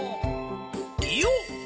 いよっ！